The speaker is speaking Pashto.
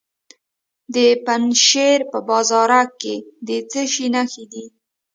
د پنجشیر په بازارک کې د څه شي نښې دي؟